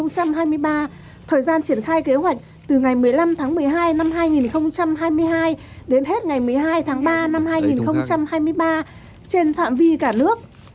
thời gian triển khai kế hoạch từ ngày một mươi năm tháng một mươi hai năm hai nghìn hai mươi hai đến hết ngày một mươi hai tháng ba năm hai nghìn hai mươi ba trên phạm vi cả nước